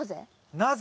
なぜ？